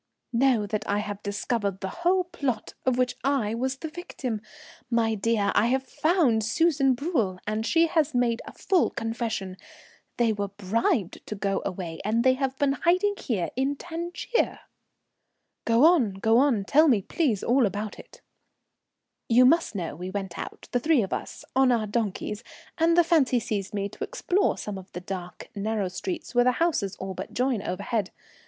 "Know that I have discovered the whole plot of which I was the victim. My dear, I have found Susan Bruel, and she has made a full confession. They were bribed to go away, and they have been here hiding in Tangier." "Go on, go on. Tell me, please, all about it." "You must know we went out, the three of us, on our donkeys, and the fancy seized me to explore some of the dark, narrow streets where the houses all but join overhead.